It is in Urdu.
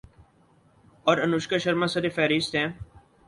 اور انوشکا شرما سرِ فہرست ہیں